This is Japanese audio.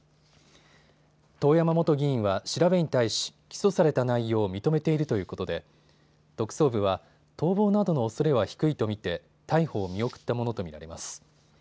遠山元議員は調べに対し起訴された内容を認めているということで特捜部は逃亡などのおそれは低いと見て逮捕を見送ったものと見られます。